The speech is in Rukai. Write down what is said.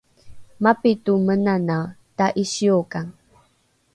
mapito menanae ta’isiokang